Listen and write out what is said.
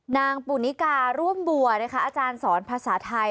นางปุณิการุ่มบัวอาจารย์สอนภาษาไทย